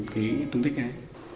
cái tương tích này